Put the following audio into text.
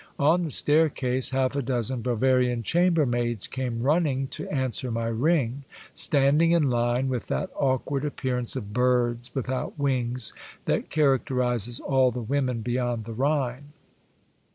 On the staircase half a dozen Bavarian 314 Monday Tales, chambermaids came running to answer my ring, standing in line, with that awkward appearance of birds without wings that characterizes all the women beyond the Rhine.